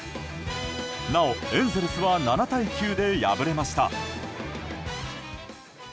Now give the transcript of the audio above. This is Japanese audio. なおエンゼルスは７対９で敗れました。